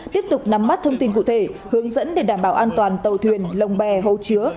tiếp tục nắm bắt thông tin cụ thể hướng dẫn để đảm bảo an toàn tàu thuyền lồng bè hố chứa